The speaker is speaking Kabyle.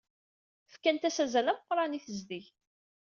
Fkant-as azal ameqran i tezdeg.